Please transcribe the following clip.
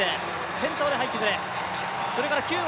先頭で入ってくる。